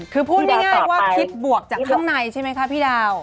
คือพูดง่ายว่าคิดบวกจากข้างในใช่ไหมคะพี่ดาว